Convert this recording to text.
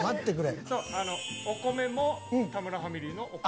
お米も田村ファミリーのお米。